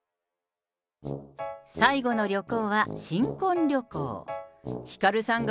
最後の旅行は新婚旅行。